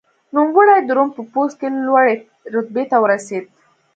نوموړی د روم په پوځ کې لوړې رتبې ته ورسېد.